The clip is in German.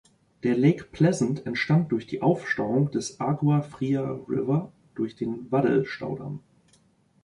Der Lake Pleasant entstand durch die Aufstauung des Agua Fria River durch den Waddell-Staudamm.